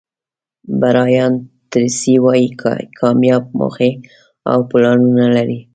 برایان ټریسي وایي کامیاب موخې او پلانونه لري.